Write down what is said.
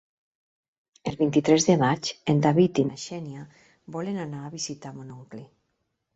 El vint-i-tres de maig en David i na Xènia volen anar a visitar mon oncle.